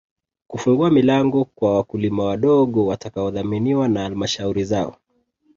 Kufungua milango kwa wakulima wadogo watakaodhaminiwa na Halmashauri zao